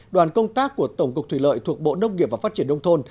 đoàn công tác của tổng cục thủy lợi thuộc bộ nông nghiệp và phát triển nông thôn